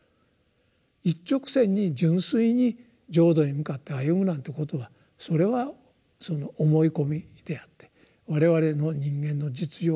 一直線に純粋に浄土に向かって歩むなんてことはそれは思い込みであって我々の人間の実情を見ればですね